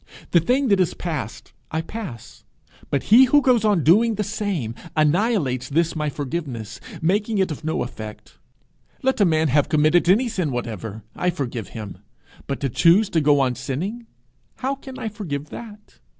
The thing that is past I pass, but he who goes on doing the same, annihilates this my forgiveness, makes it of no effect. Let a man have committed any sin whatever, I forgive him; but to choose to go on sinning how can I forgive that?